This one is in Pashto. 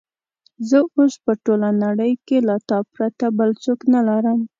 زه اوس په ټوله نړۍ کې له تا پرته بل څوک نه لرم.